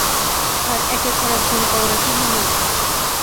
আর একের পর এক গণকবরের সন্ধান মিলছে।